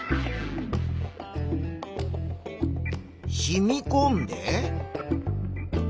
しみこんで。